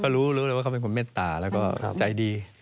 รู้รู้เลยว่าเขาเป็นคนเมตตาแล้วก็ใจดี